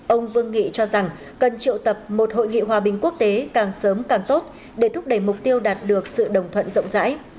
ông vương nghị cho rằng cần triệu tập một hội nghị hòa bình quốc tế càng sớm càng tốt để thúc đẩy mục tiêu đạt được sự đồng thuận rộng rãi